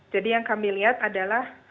jadi yang kami lihat adalah laju transmisi